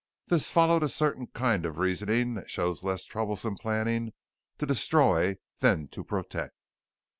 This followed a certain kind of reasoning that shows less troublesome planning to destroy than to protect.